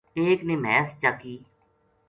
ایک نے مھیس چاکی